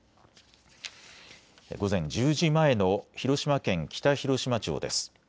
午前１０時前の広島県北広島町です。